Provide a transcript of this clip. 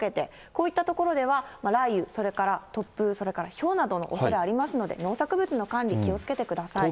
こういった所では雷雨、それから突風、それからひょうなどのおそれありますので、農作物の管理、気をつけてください。